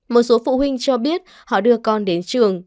một số phụ huynh cho biết họ đưa con đến trường